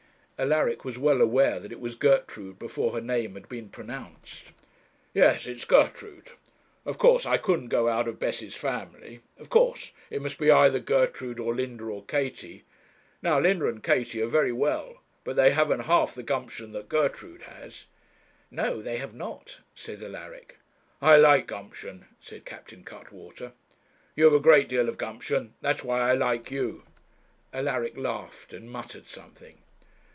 Alaric was well aware that it was Gertrude before her name had been pronounced. 'Yes, it's Gertrude; of course I couldn't go out of Bessie's family of course it must be either Gertrude, or Linda, or Katie. Now Linda and Katie are very well, but they haven't half the gumption that Gertrude has.' 'No, they have not,' said Alaric. 'I like gumption,' said Captain Cuttwater. 'You've a great deal of gumption that's why I like you.' Alaric laughed, and muttered something.